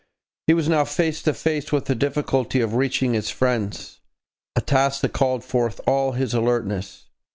He was now face to face with the difficulty of reaching his friends a task that called forth all his alertness.